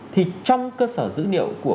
thì trong cơ sở dữ liệu của